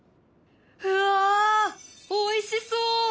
うわおいしそう！